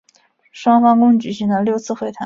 双方共举行了六次会谈。